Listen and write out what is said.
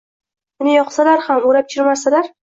Uni yoqsalar ham, o‘rab-chirmasalar